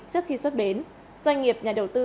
trước khi xuất bến doanh nghiệp nhà đầu tư